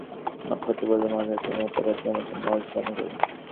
নক্ষত্ররায় বলিলেন, মহারাজ, আমি অপরাধী, আমাকে মার্জনা করুন।